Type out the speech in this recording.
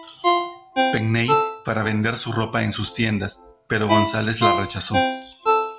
Penney para vender su ropa en sus tiendas pero Gonzales la rechazó.